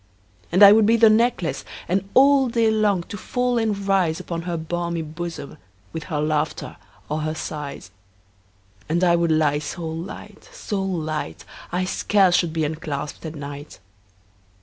And I would be the necklace, And all day long to fall and rise Upon her balmy bosom, 15 With her laughter or her sighs: And I would lie so light, so light, I scarce should be unclasp'd at night.